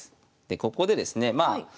でここでですねまあ